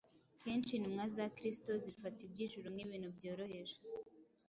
Kenshi intumwa za Kristo zifata iby’ijuru nk’ibintu byoroheje.